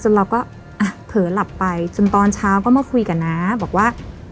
เราก็อ่ะเผลอหลับไปจนตอนเช้าก็มาคุยกับน้าบอกว่า